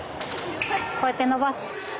「こうやって伸ばす」